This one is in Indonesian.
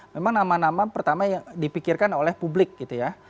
memang nama nama pertama yang dipikirkan oleh publik gitu ya